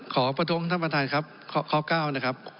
ประท้วงท่านประธานครับข้อ๙นะครับ